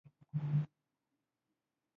د پورونو تصفیه کول یې د دولت پر غاړه دي.